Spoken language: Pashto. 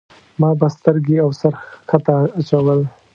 ما به سترګې او سر ښکته اچول.